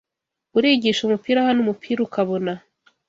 urigisha umupira hano umupira ukabona